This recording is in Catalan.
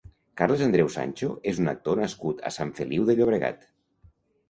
Carles Andreu Sancho és un actor nascut a Sant Feliu de Llobregat.